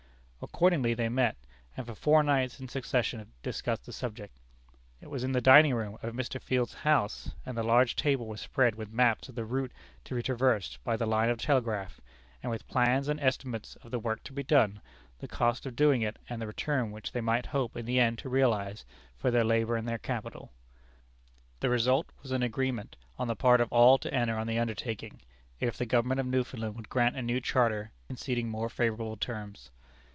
Accordingly they met, and for four nights in succession discussed the subject. It was in the dining room of Mr. Field's house, and the large table was spread with maps of the route to be traversed by the line of telegraph, and with plans and estimates of the work to be done, the cost of doing it, and the return which they might hope in the end to realize for their labor and their capital. The result was an agreement on the part of all to enter on the undertaking, if the Government of Newfoundland would grant a new charter conceding more favorable terms.